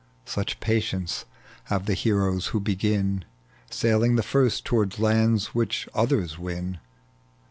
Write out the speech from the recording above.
Such patience have the heroes who begin, Sailing the iirst toward lands which others win.